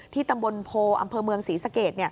ตำบลโพอำเภอเมืองศรีสเกต